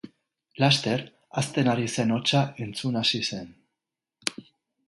Laster, hazten ari zen hotsa entzun hasi zen.